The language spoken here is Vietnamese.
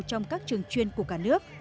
trong các trường chuyên của cả nước